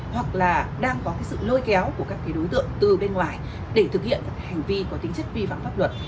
hoặc là đang có sự lôi kéo của các đối tượng từ bên ngoài để thực hiện các hành vi có tính chất vi phạm pháp luật